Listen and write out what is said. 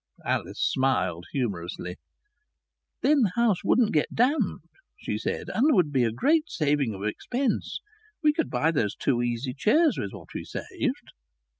Alice smiled humorously. "Then the house wouldn't get damp," she said. "And there would be a great saving of expense. We could buy those two easy chairs with what we saved."